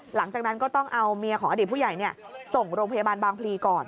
หลังจากนั้นก็ต้องเอาเมียของอดีตผู้ใหญ่ส่งโรงพยาบาลบางพลีก่อน